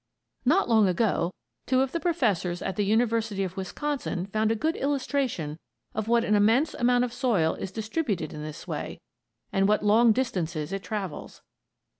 Not long ago two of the professors at the University of Wisconsin found a good illustration of what an immense amount of soil is distributed in this way, and what long distances it travels.